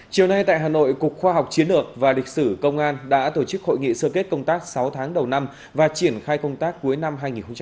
chiều nay tại hà nội cục khoa học chiến lược và lịch sử công an đã tổ chức hội nghị sơ kết công tác sáu tháng đầu năm và triển khai công tác cuối năm hai nghìn hai mươi ba